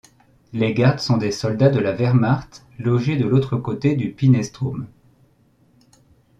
Les gardes sont des soldats de la Wehrmacht logés de l'autre côté du Peenestrom.